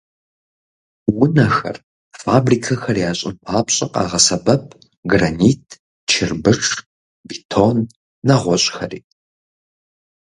Унэхэр, фабрикэхэр ящӀын папщӀэ, къагъэсэбэп гранит, чырбыш, бетон, нэгъуэщӀхэри.